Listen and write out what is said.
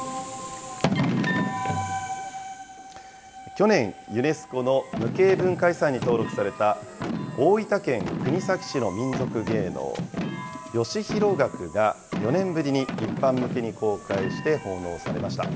去年、ユネスコの無形文化遺産に登録された、大分県国東市の民俗芸能、吉弘楽が、４年ぶりに一般向けに公開して奉納されました。